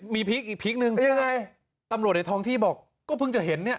มีพีคอีกพีคนึงยังไงตำรวจในท้องที่บอกก็เพิ่งจะเห็นเนี่ย